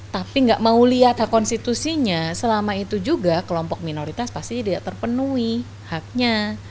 tapi nggak mau lihat hak konstitusinya selama itu juga kelompok minoritas pasti tidak terpenuhi haknya